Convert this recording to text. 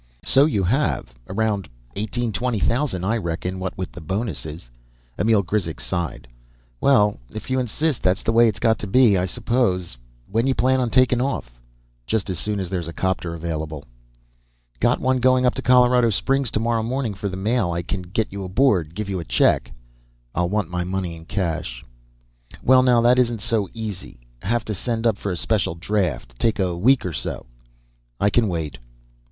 "So you have. Around eighteen, twenty thousand, I reckon, what with the bonuses." Emil Grizek sighed. "Well, if you insist, that's the way it's got to be, I suppose. When you plan on taking off?" "Just as soon as there's a 'copter available." "Got one going up to Colorado Springs tomorrow morning for the mail. I can get you aboard, give you a check " "I'll want my money in cash." "Well, now, that isn't so easy. Have to send up for a special draft. Take a week or so." "I can wait."